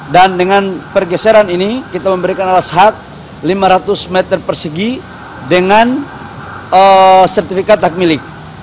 dan dengan pergeseran ini kita memberikan alas hak lima ratus meter persegi dengan sertifikat hak milik